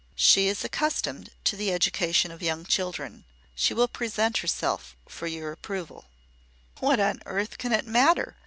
She is accustomed to the education of young children. She will present herself for your approval." "What on earth can it matter?"